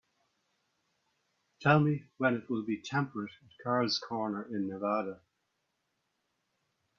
Tell me when it will be temperate at Carl's Corner, in Nevada